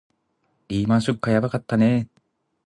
リーマンショックはやばかったね